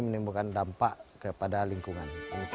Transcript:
ini bukan dampak kepada lingkungan